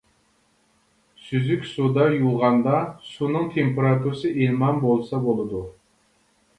سۈزۈك سۇدا يۇغاندا، سۇنىڭ تېمپېراتۇرىسى ئىلمان بولسا بولىدۇ.